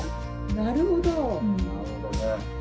なるほどね。